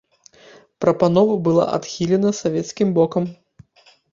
Прапанова была адхілена савецкім бокам.